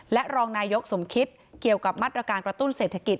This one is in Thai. และรองนายกสมคิดเกี่ยวกับมาตรการกระตุ้นเศรษฐกิจ